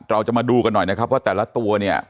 เราจะมาดูกันหน่อยนะครับว่าแต่ละตัวเนี่ย